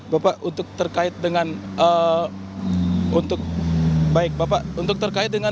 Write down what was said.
bapak untuk terkait dengan teknologi